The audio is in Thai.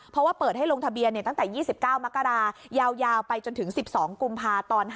เพราะว่าเปิดให้ลงทะเบียนตั้งแต่๒๙มกรายาวไปจนถึง๑๒กุมภาตอน๕